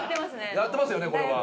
やってますよねこれは。